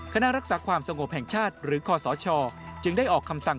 คณะรักษาความสงบแห่งชาติหรือคศจึงได้ออกคำสั่ง